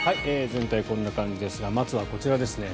全体はこんな感じですがまずはこちらですね。